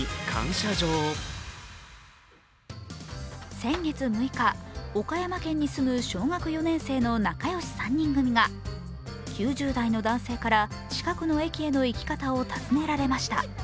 先月６日、岡山県に住む小学４年生の仲良し３人組が９０代の男性から近くの駅への行き方を尋ねられました。